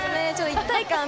一体感が。